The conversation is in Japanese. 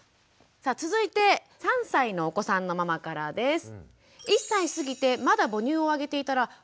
さあ続いて３歳のお子さんのママからです。